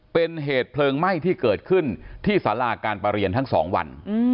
เป็นเหตุเพลิงไหม้ที่เกิดขึ้นที่สาราการประเรียนทั้ง๒วัน